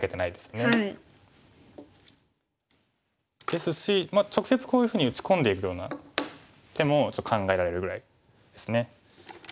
ですし直接こういうふうに打ち込んでいくような手も考えられるぐらいですね。